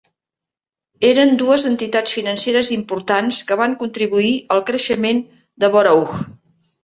Eren dues entitats financeres importants que van contribuir al creixement de Borough.